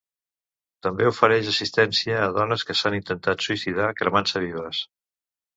També ofereix assistència a dones que s’han intentat suïcidar cremant-se vives.